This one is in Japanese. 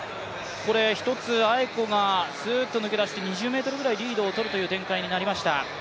アエコがスーッと抜け出して２０ｍぐらいリードをとる展開になりました。